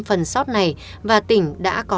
phần sót này và tỉnh đã có